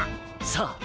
さあ！